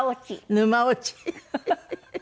沼落ち。